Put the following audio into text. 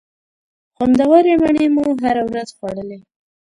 خوندورې مڼې مو هره ورځ خوړلې.